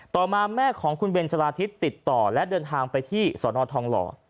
ต่อมาแม่ของคุณเบนชะลาทิศติดต่อและเดินทางไปที่สนทองหล่อ